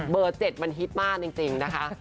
๗มันฮิตมากจริงนะคะ